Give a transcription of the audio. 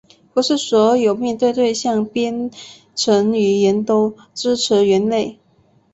不是所有面向对象编程语言都支持元类。